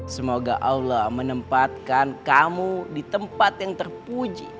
semoga allah menempatkan kamu di tempat yang terpuji